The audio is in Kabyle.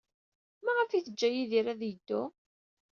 Maɣef ay teǧǧa Yidir ad yeddu?